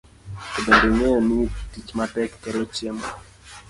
To bende ing'eyo ni tich matek kelo chiemo?